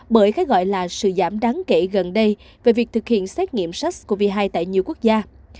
bởi cái gọi là sự giảm đáng kể gần đây về việc thực hiện xét nghiệm sars cov hai tại nhiều quốc gia